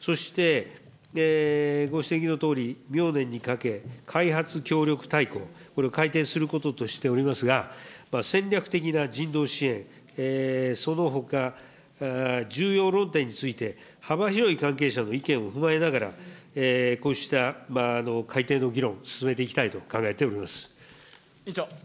そしてご指摘のとおり、明年にかけ、開発協力大綱、これを改定することとしておりますが、戦略的な人道支援、そのほか、重要論点について幅広い関係者の意見を踏まえながら、こうした改定の議論、進めていきたいと考えております。